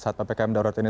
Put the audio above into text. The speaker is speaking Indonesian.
saat ppkm daurat ini